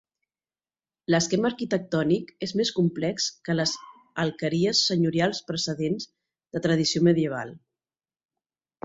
L'esquema arquitectònic és més complex que les alqueries senyorials precedents, de tradició medieval.